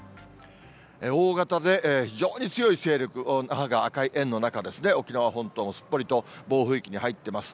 大型で非常に強い勢力、那覇が赤い円の中ですね、沖縄本島もすっぽりと暴風域に入ってます。